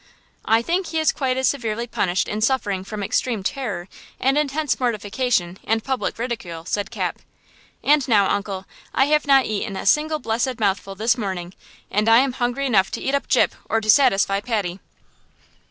"I think he is quite as severely punished in suffering from extreme terror and intense mortification and public ridicule," said Cap. "And now, uncle, I have not eaten a single blessed mouthful this morning, and I am hungry enough to eat up Gyp, or to satisfy Patty."